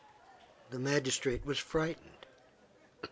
The magistrate was frightened.